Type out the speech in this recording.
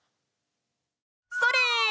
それ！